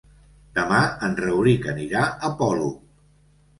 Demà en Rauric anirà a Polop.